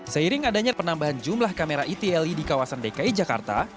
seiring adanya penambahan jumlah kamera etle di kawasan dki jakarta